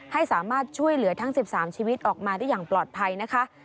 ให้สามารถช่วยเหลือทั้ง๑๓ชีวิตออกมาได้อย่างปลอดภัยนะคะ